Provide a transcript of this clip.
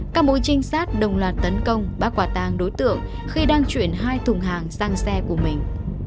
các mối trinh sát đồng loạt tấn công bác quả tàng đối tượng khi đang chuyển hai thùng hàng sang xe của mình